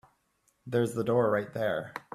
There's the door right there.